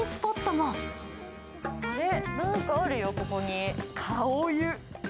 あれ、何かあるよ、ここに。